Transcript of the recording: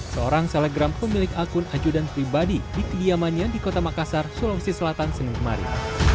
seorang selegram pemilik akun ajudan pribadi di kediamannya di kota makassar sulawesi selatan senin kemarin